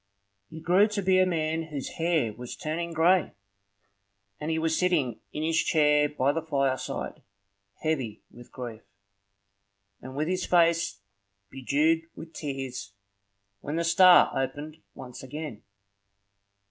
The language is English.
He grew to be a man whose hair was turning gray, and he was sitting in his chair by the fireside, heavy with grief, and with his face bedewed with tears, when the star opened once again.